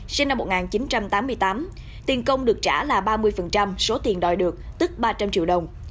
sinh năm một nghìn chín trăm tám mươi tám tiền công được trả là ba mươi số tiền đòi được tức ba trăm linh triệu đồng